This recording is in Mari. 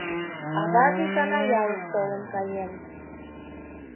— Аваже икана ялыш толын каен.